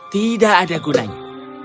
tidak ada gunanya